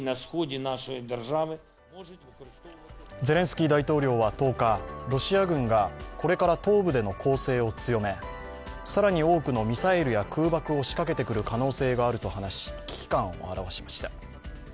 ゼレンスキー大統領は１０日、ロシア軍がこれから東部での攻勢を強め、更に多くのミサイルや空爆を仕掛けてくる可能性があると話し、危機感を表しました。